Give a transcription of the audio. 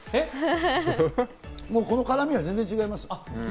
この辛みは全然違います。